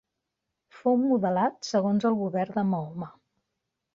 Fou modelat segons el govern de Mahoma.